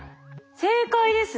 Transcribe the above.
正解ですね。